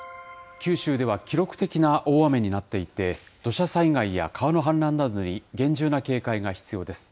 九州では記録的な大雨になっていて、土砂災害や川の氾濫などに厳重な警戒が必要です。